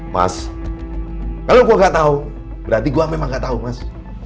mas kalau gua gak tahu berarti gua memang gak tahu mas